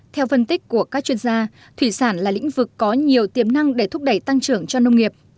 theo phân tích của các chuyên gia thủy sản là lĩnh vực có nhiều tiềm năng để thúc đẩy tăng trưởng cho nông nghiệp